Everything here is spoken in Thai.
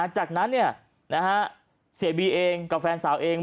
จากนั้นเสียบีเองกับแฟนสาวเอง